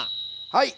はい。